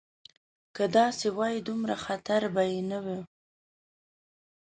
که داسې وای دومره خطر به یې نه و.